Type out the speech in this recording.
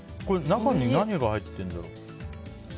中に何が入ってるんだろう。